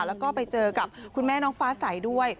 แล้วก็ไปเจอกับคุณแม่น้องฟ้าใสด้วย